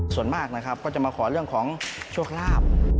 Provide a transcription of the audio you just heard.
ส่วนมากนะครับก็จะมาขอเรื่องของโชคลาภ